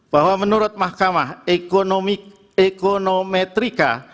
bahwa menurut mahkamah ekonometrika